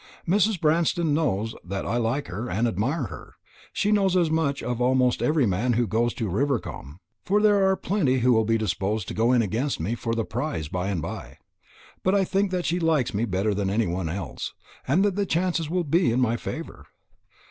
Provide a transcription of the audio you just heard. Mrs. Branston knows that I like and admire her. She knows as much of almost every man who goes to Rivercombe; for there are plenty who will be disposed to go in against me for the prize by and by. But I think that she likes me better than any one else, and that the chances will be all in my favour.